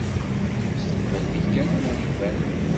S teqbaylit kan ara ad iban.